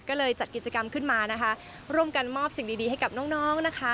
ก็เลยจัดกิจกรรมขึ้นมานะคะร่วมกันมอบสิ่งดีให้กับน้องน้องนะคะ